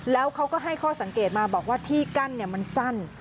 แล้วเขาก็ให้ข้อสังเกตมาบอกว่าที่กั้นมันสั้น